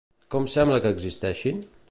Com sembla que existeixin?